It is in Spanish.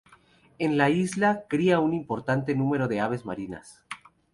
En la isla cría un importante número de aves marinas.